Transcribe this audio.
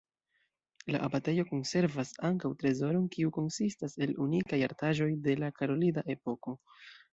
La abatejo konservas ankaŭ trezoron kiu konsistas el unikaj artaĵoj de la karolida epoko.